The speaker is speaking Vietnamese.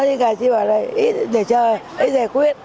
chả nói gì cả chỉ bảo là ít để chờ ít để khuyết